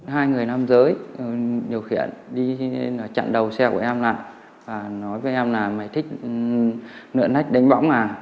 hai người nam giới điều khiển đi chặn đầu xe của em lại và nói với em là mày thích nợ nách đánh bóng à